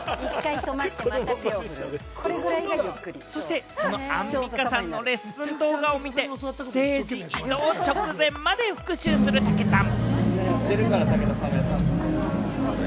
そして、そのアンミカさんのレッスン動画を見て、ステージ移動直前まで復習するたけたん。